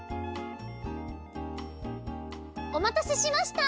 おまたせしました！